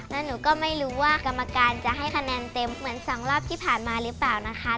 แล้วหนูก็ไม่รู้ว่ากรรมการจะให้คะแนนเต็มเหมือนสองรอบที่ผ่านมาหรือเปล่านะคะ